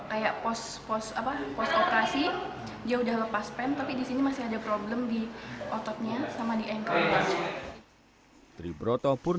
kayak pos operasi dia sudah lepas pen tapi di sini masih ada problem